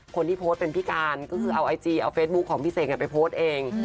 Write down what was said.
คนที่โพสต์เป็นพิการก็คือเอาไอจีเอาเฟซบุ๊คของพี่เสกไปโพสต์เอง